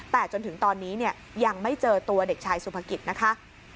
แต่จนถึงตอนนี้ยังไม่เจอตัวเด็กชายสุภกิจนะคะ